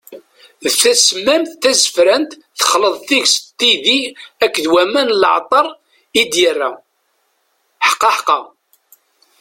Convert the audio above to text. D tasemmamt, d tazefrant, texleḍ deg-s tidi akked waman n leɛṭer i d-yerra, ḥqaḥqa!